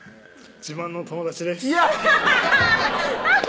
自慢の友達！